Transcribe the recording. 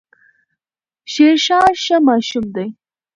شيرشاه ښه ماشوم دی